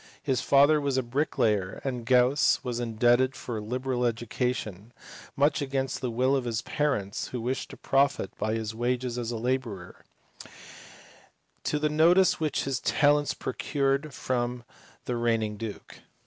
His father was a bricklayer, and Gauss was indebted for a liberal education (much against the will of his parents who wished to profit by his wages as a labourer) to the notice which his talents procured from the reigning duke.